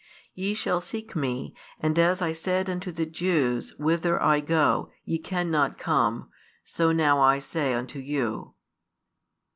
Ye shall seek Me: and as I said unto the Jews, Whither I go, ye cannot come; so now I say unto you.